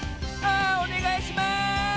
あおねがいします！